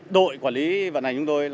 đội quản lý vận hành chúng tôi